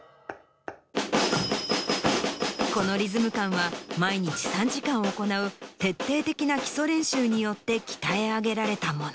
このリズム感は毎日３時間行う徹底的な基礎練習によって鍛え上げられたもの。